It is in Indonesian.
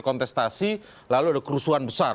kontestasi lalu ada kerusuhan besar